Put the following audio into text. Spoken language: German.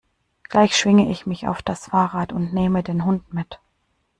Gleich schwinge ich mich auf das Fahrrad und nehme den Hund mit.